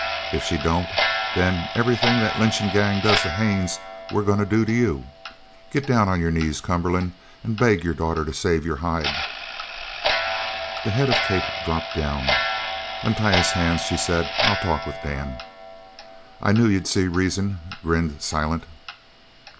If she don't then everything the lynchin' gang does to Haines we're goin' to do to you. Git down on your ol' knees, Cumberland, an' beg your daughter to save your hide!" The head of Kate dropped down. "Untie his hands," she said. "I'll talk with Dan." "I knew you'd see reason," grinned Silent.